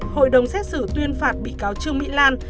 hội đồng xét xử tuyên phạt bị cáo trương mỹ lan